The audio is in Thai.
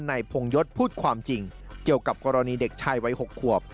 นายพงยศพูดความจริงเกี่ยวกับกรณีเด็กชายวัย๖ขวบ